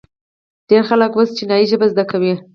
ډیر خلک اوس چینایي ژبه زده کوي.